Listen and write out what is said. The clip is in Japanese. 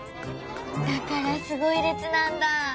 だからすごいれつなんだ。